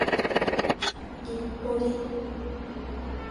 日暮里